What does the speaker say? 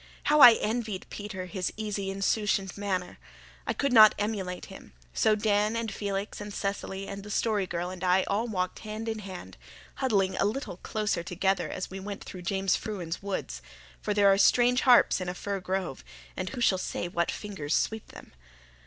How I envied Peter his easy, insouciant manner! I could not emulate him, so Dan and Felix and Cecily and the Story Girl and I all walked hand in hand, huddling a little closer together as we went through James Frewen's woods for there are strange harps in a fir grove, and who shall say what fingers sweep them?